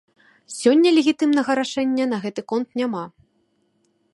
Сёння легітымнага рашэння на гэты конт няма.